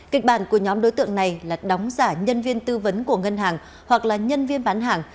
kịch bản của nhóm đối tượng này là đóng giả nhân viên tư vấn của ngân hàng hoặc là nhân viên bán hàng